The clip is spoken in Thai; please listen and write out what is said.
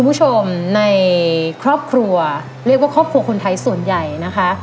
คุณผู้ชมในครอบครัวเรียกว่าครอบครัวคนไทยส่วนใหญ่นะคะ